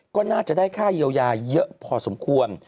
ก็น่าจะได้ค่าเยียวยาเยอะพอสมควร